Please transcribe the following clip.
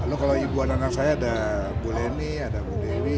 lalu kalau ibu anak anak saya ada bu leni ada bu dewi